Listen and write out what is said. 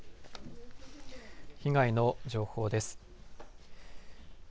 被害の情報です。